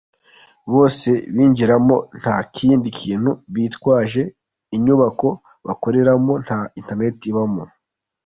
Bose binjiramo nta kindi kintu bitwaje, inyubako bakoreramo nta internet ibamo.